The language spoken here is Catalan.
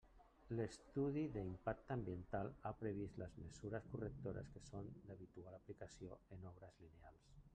L'estudi d'impacte ambiental ha previst les mesures correctores que són d'habitual aplicació en obres lineals.